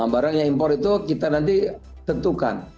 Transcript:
barang yang impor itu kita nanti tentukan